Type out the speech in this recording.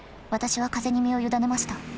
私は風に身を委ねました。